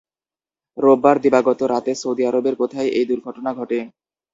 রোববার দিবাগত রাতে সৌদি আরবের কোথায় এই দুর্ঘটনা ঘটে?